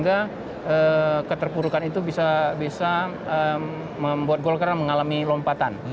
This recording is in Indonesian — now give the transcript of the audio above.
jadi keterburukan itu bisa membuat golkar mengalami lompatan